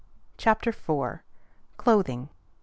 CHAPTER IV. CLOTHING.